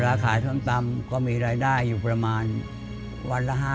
ขายส้มตำก็มีรายได้อยู่ประมาณวันละ๕๐๐